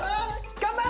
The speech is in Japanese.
頑張れ！